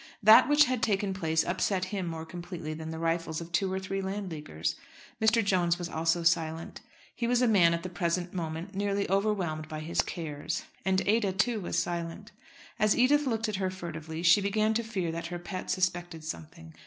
That which had taken place upset him more completely than the rifles of two or three Landleaguers. Mr. Jones was also silent. He was a man at the present moment nearly overwhelmed by his cares. And Ada, too, was silent. As Edith looked at her furtively she began to fear that her pet suspected something.